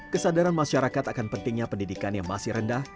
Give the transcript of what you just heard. kesadaran masyarakat akan pentingnya pendidikan yang masih rendah